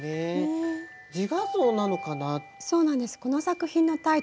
自画像なのかな。